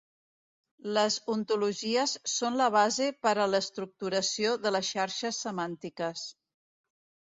Les ontologies són la base per a l'estructuració de les xarxes semàntiques.